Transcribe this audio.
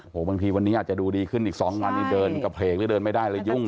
โอ้โหบางทีวันนี้อาจจะดูดีขึ้นอีก๒วันนี้เดินกระเพลกหรือเดินไม่ได้เลยยุ่ง